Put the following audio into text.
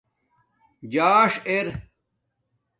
څݳݽ ار